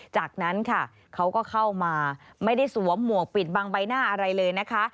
จากนั้นค่ะเขาก็เข้ามาไม่ได้สวมหมวกปิดบังใบหน้าอะไรเลยนะคะ